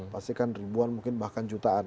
pasti kan ribuan mungkin bahkan jutaan